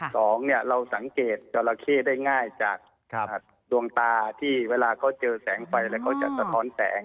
สองเนี่ยเราสังเกตจราเข้ได้ง่ายจากดวงตาที่เวลาเขาเจอแสงไฟอะไรเขาจะสะท้อนแสง